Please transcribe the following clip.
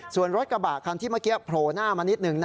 ส่วนรถกระบะคันที่เมื่อกี้โผล่หน้ามานิดหนึ่ง